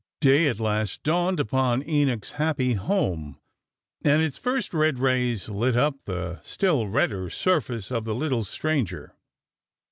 Day at last dawned upon Enoch's happy home, and its first red rays lit up the still redder surface of the little stranger.